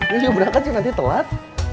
iya berangkat sih nanti telat